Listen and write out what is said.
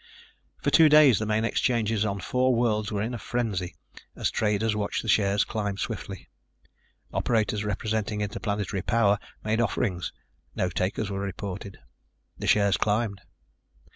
For two days the main exchanges on four worlds were in a frenzy as traders watched the shares climb swiftly. Operators representing Interplanetary Power made offerings. No takers were reported. The shares climbed.